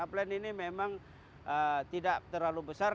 apland ini memang tidak terlalu besar